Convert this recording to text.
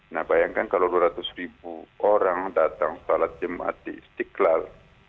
nah bayangkan kalau dua ratus ribu orang datang sholat jumat di istiqlal